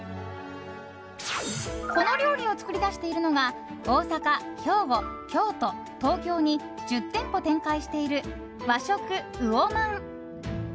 この料理を作り出しているのが大阪、兵庫、京都、東京に１０店舗展開している和食うおまん。